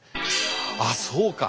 ああそうか。